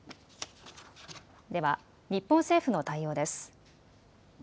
では日本政府の対応です。